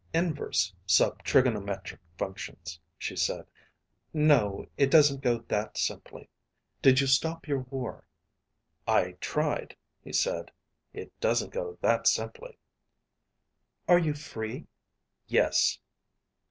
"Inverse sub trigonometric functions," she said. "No. It doesn't go that simply. Did you stop your war?" "I tried," he said. "It doesn't go that simply." "Are you free?" "Yes."